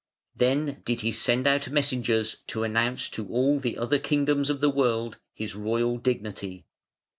Then did he send out messengers to announce to all the other kingdoms of the world his royal dignity.